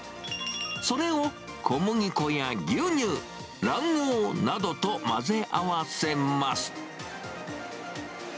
それを小麦粉や牛乳、卵黄などと混ぜ合わせます。